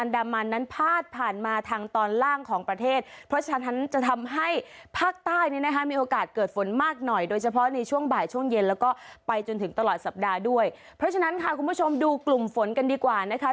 เพราะฉะนั้นค่ะคุณผู้ชมดูกลุ่มฝนกันดีกว่านะคะ